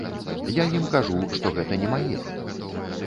Я ім кажу, што гэта не мае.